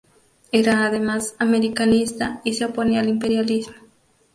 Era, además, americanista, y se oponía al imperialismo.